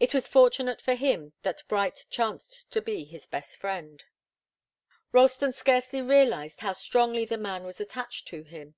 It was fortunate for him that Bright chanced to be his best friend. Ralston scarcely realized how strongly the man was attached to him.